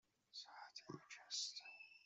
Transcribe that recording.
ساعت یک است.